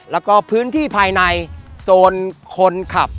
แล้วก็พื้นที่ภายในโซนคนขับ